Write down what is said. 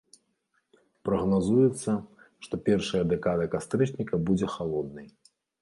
Прагназуецца, што першая дэкада кастрычніка будзе халоднай.